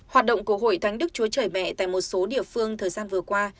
hoạt động của hội thánh đức chúa trời mẹ tại một số địa phương thời gian vừa qua